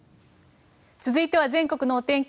続いては全国のお天気